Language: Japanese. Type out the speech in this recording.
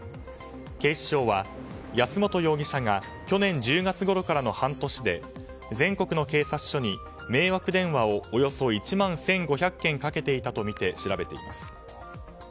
警視庁は安本容疑者が去年１０月ごろからの半年で全国の警察署に迷惑電話をおよそ１万１５００件かけていたとみて調べています。